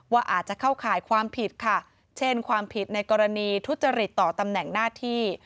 ว่าอาจจะเข้าข่ายความผิดค่ะเช่นความผิดในกรณีทุจริตต่อตำแหน่งหน้าที่